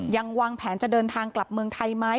วางแผนจะเดินทางกลับเมืองไทยไหม